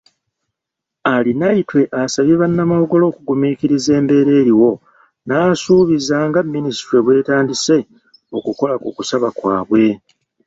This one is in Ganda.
Arinaitwe asabye bannamawogola okugumiikiriza embeera eriwo n'asuubiza nga Minisitule bw'etandise okukola ku kusaba kwabwe.